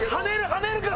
はねるから！